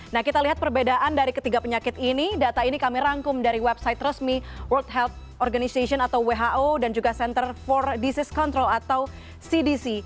nah kita lihat perbedaan dari ketiga penyakit ini data ini kami rangkum dari website resmi world health organization atau who dan juga center for disease control atau cdc